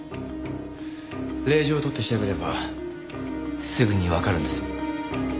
令状を取って調べればすぐにわかるんですよ。